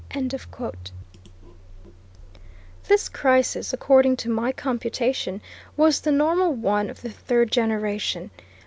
" This crisis, according to my computation, was the normal one of the third generation.